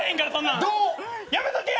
やめときや！